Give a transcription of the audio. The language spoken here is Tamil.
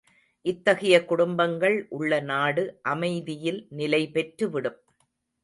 இத்தகைய குடும்பங்கள் உள்ள நாடு அமைதியில் நிலைபெற்று விடும்.